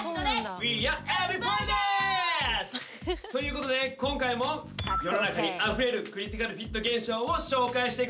Ｅｖｅｒｙｂｏｄｙでーす！ということで今回も世の中にあふれるクリティカルフィット現象を紹介していくぞ！